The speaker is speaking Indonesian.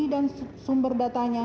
dan sumber datanya